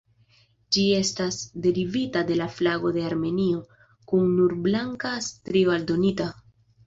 Ĝi estas derivita de la flago de Armenio, kun nur blanka strio aldonita.